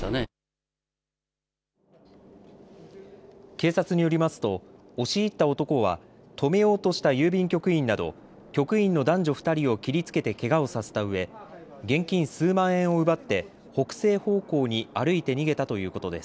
警察によりますと押し入った男は止めようとした郵便局員など局員の男女２人を切りつけてけがをさせたうえ、現金数万円を奪って北西方向に歩いて逃げたということです。